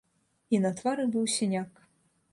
І на твары быў сіняк.